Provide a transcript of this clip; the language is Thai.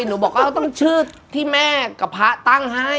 หนูบอกว่าต้องชื่อที่แม่กับพระตั้งให้